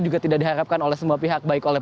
juga tidak diharapkan oleh semua pihak baik oleh